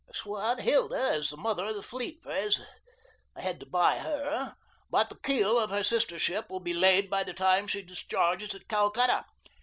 "The 'Swanhilda' is the mother of the fleet, Pres. I had to buy HER, but the keel of her sister ship will be laid by the time she discharges at Calcutta.